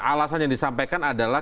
alasan yang disampaikan adalah